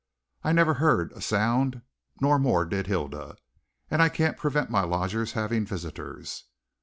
I never heard a sound, no more did Hilda, and I can't prevent my lodgers having visitors."